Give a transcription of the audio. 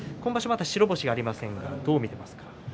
まだ白星がありませんがどう見ていますか？